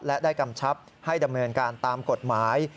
และได้กำชับให้ดำเนินการตามกฎหมาย